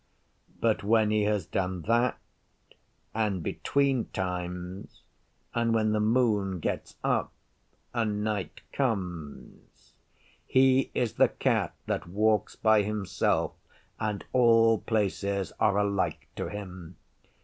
But when he has done that, and between times, and when the moon gets up and night comes, he is the Cat that walks by himself, and all places are alike to him.